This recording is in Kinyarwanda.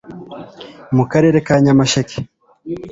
mu karere ka nyamasheke